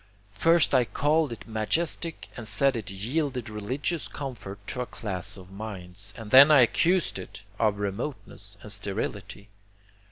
First, I called it majestic and said it yielded religious comfort to a class of minds, and then I accused it of remoteness and sterility.